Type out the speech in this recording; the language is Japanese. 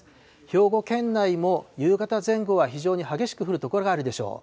兵庫県内も夕方前後は非常に激しく降る所があるでしょう。